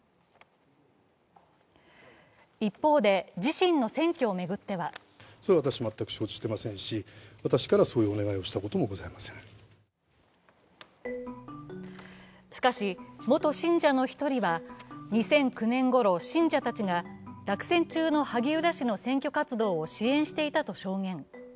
一方で自身の選挙を巡ってはしかし元信者の１人は２００９年ごろ信者たちが落選中の萩生田氏の選挙活動を支援していたと発言。